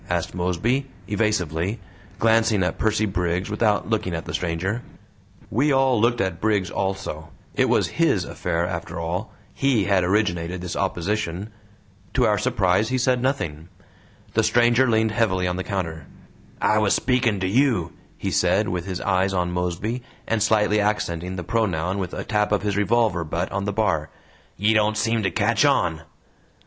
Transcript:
asked Mosby, evasively, glancing at Percy Briggs without looking at the stranger. We all looked at Briggs also; it was HIS affair after all HE had originated this opposition. To our surprise he said nothing. The stranger leaned heavily on the counter. "I was speaking to YOU," he said, with his eyes on Mosby, and slightly accenting the pronoun with a tap of his revolver butt on the bar. "Ye don't seem to catch on."